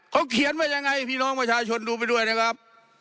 เขาเขียนว่ายังไงพี่น้องประชาชนดูไปด้วยนะครับ